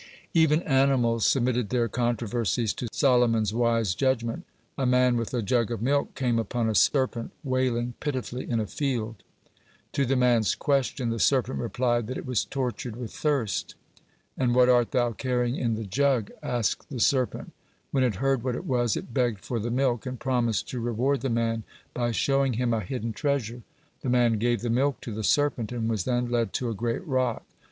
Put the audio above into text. (30) Even animals submitted their controversies to Solomon's wise judgment. A man with a jug of milk came upon a serpent wailing pitifully in a field. To the man's question, the serpent replied that it was tortured with thirst. "And what art thou carrying in the jug?" asked the serpent. When it heard what it was, it begged for the milk, and promised to reward the man by showing him a hidden treasure. The man gave the milk to the serpent, and was then led to a great rock.